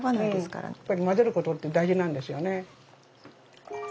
やっぱり混ぜることって大事なんですよね。